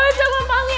ini ga baik